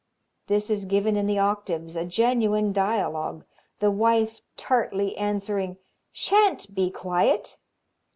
This is given in the octaves, a genuine dialogue, the wife tartly answering: "Shan't be quiet."